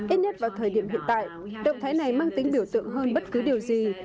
ít nhất vào thời điểm hiện tại động thái này mang tính biểu tượng hơn bất cứ điều gì